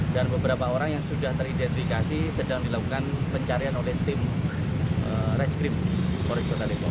dan beberapa orang yang sudah teridentifikasi sedang dilakukan pencarian oleh tim reskrim koris kota depok